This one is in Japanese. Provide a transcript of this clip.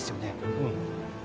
うん